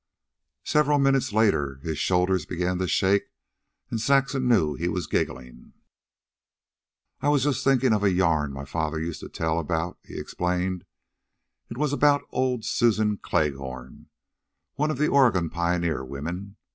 Several minutes later his shoulders began to shake, and Saxon knew he was giggling. "I was just thinkin' of a yarn my father used to tell about," he explained. "It was about old Susan Kleghorn, one of the Oregon pioneer women.